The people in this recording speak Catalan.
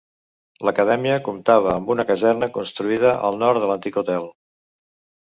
L'Acadèmia comptava amb una caserna construïda al nord de l'antic hotel.